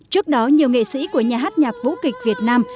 trước đó nhiều nghệ sĩ của nhà hát nhạc vũ kịch việt nam